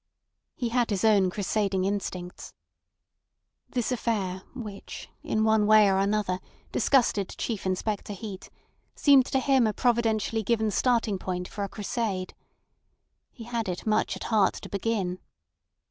He had his own crusading instincts. This affair, which, in one way or another, disgusted Chief Inspector Heat, seemed to him a providentially given starting point for a crusade. He had it much at heart to begin.